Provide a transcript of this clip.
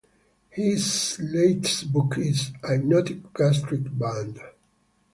His latest book is "Hypnotic Gastric Band".